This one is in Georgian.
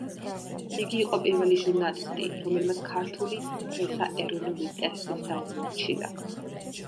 იგი იყო პირველი ჟურნალისტი, რომელმაც ქართული პრესა ეროვნულ ინტერესებს დაუმორჩილა.